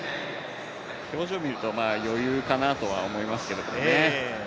表情を見ると余裕かなとは思いますけど。